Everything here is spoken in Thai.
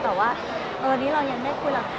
แต่ว่าเออวันนี้เรายังไม่ได้คุยแล้ว